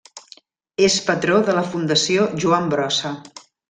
És patró de la Fundació Joan Brossa.